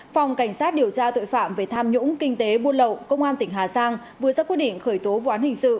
phòng cảnh sát điều tra tội phạm về tham nhũng kinh tế buôn lậu công an tỉnh hà giang vừa ra quyết định khởi tố vụ án hình sự